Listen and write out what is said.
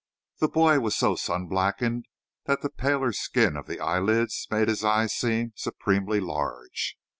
The boy was so sun blackened that the paler skin of the eyelids made his eyes seem supremely large.